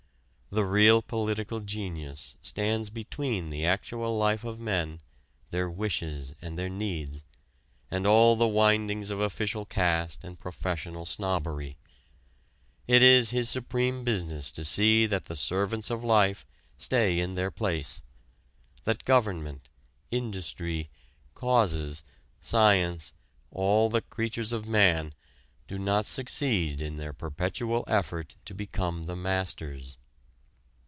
The real political genius stands between the actual life of men, their wishes and their needs, and all the windings of official caste and professional snobbery. It is his supreme business to see that the servants of life stay in their place that government, industry, "causes," science, all the creatures of man do not succeed in their perpetual effort to become the masters.